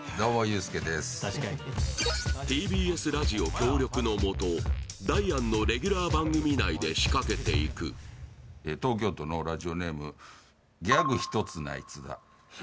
確かにＴＢＳラジオ協力のもとダイアンのレギュラー番組内で仕掛けていく東京都のラジオネームギャグ１つない津田